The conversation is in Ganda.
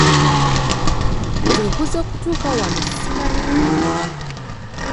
Nze nkuze kutuuka wano ssimanyi kulima.